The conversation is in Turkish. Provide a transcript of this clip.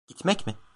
Gitmek mi?